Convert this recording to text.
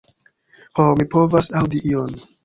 Ho, mi povas aŭdi ion.